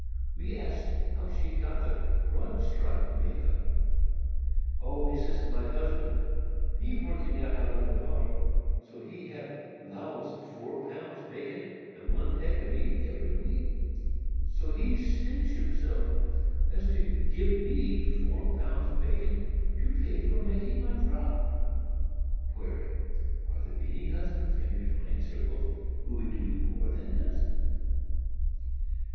We asked how she got the "broad stripe" made up. "O, Missis, my husband,—he working now out on de farm,—so he hab 'lowance four pounds bacon and one peck of meal ebery week; so he stinge heself, so as to gib me four pounds bacon to pay for making my frock." [Query.—Are there any husbands in refined circles who would do more than this?